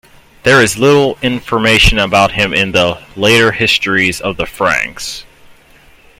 There is little information about him in the later histories of the Franks.